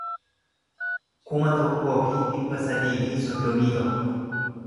kuma tokkoo fi dhibba sadii fi soddomii tokko